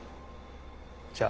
じゃあ。